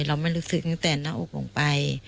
เราไม่รู้สึกตั้งแต่หน้าอกลงไป